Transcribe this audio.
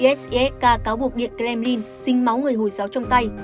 isis k cáo buộc điện kremlin rinh máu người hồi giáo trong tay